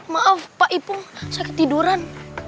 maaf pak ipung sakit tiduran